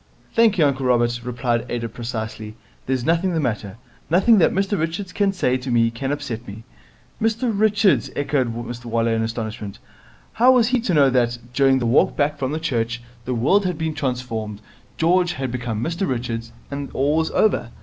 'Thank you, uncle Robert,' replied Ada precisely, 'there's nothing the matter. Nothing that Mr Richards can say to me can upset me.' 'Mr Richards!' echoed Mr Waller in astonishment. How was he to know that, during the walk back from church, the world had been transformed, George had become Mr Richards, and all was over?